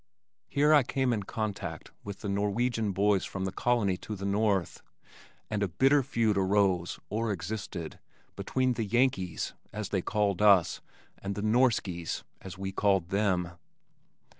Here I came in contact with the Norwegian boys from the colony to the north, and a bitter feud arose (or existed) between the "Yankees," as they called us, and "the Norskies," as we called them.